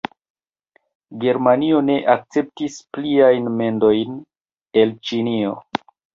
Germanio ne akceptis pluajn mendojn el Ĉinio.